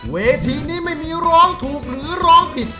เวทีนี้ไม่มีร้องถูกหรือร้องผิด